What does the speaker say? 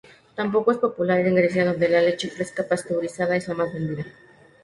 Tampoco es popular en Grecia, donde la leche fresca pasteurizada es la más vendida.